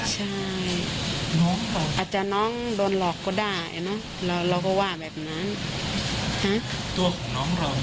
ใช่อาจจะน้องโดนหลอกก็ได้นะเราก็ว่าแบบนั้น